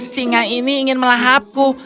singa ini ingin melahapku